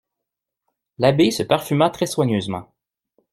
L'abbé se parfuma très soigneusement.